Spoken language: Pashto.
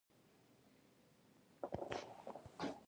هغوی په نرم دښته کې پر بل باندې ژمن شول.